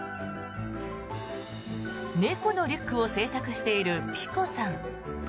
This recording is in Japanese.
猫のリュックを制作しているｐｉｃｏさん。